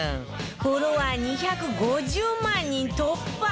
フォロワー２５０万人突破！